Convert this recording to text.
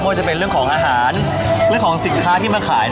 ว่าจะเป็นเรื่องของอาหารเรื่องของสินค้าที่มาขาย